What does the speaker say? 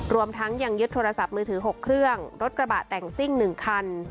รวมทั้งยังยึดโทรศัพท์มือถือ๖เครื่องรถกระบะแต่งซิ่ง๑คัน